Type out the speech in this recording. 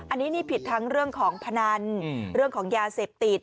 อันนี้นี่ผิดทั้งเรื่องของพนันเรื่องของยาเสพติด